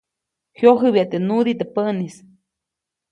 Jyojäbya teʼ nudiʼ teʼ päʼnis.